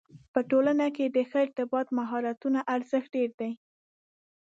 په ټولنه کې د ښه ارتباط مهارتونو ارزښت ډېر دی.